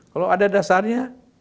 kalau ada dasarnya